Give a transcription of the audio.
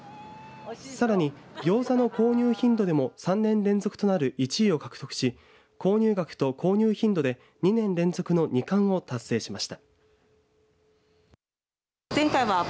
さらにギョーザの購入頻度でも３年連続となる１位を獲得し購入額と購入頻度で２年連続の二冠を達成しました。